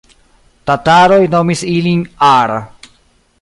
Tataroj nomis ilin Ar.